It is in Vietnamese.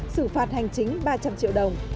sử phạt hành chính ba trăm linh triệu đồng